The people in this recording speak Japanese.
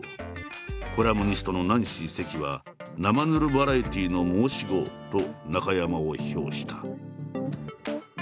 コラムニストのナンシー関は「なまぬるバラエティーの申し子」と中山を評した。